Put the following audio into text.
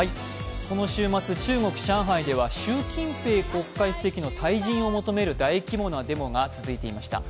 この週末、中国・上海では習近平国家主席の退陣を求める大規模なデモが続いていました。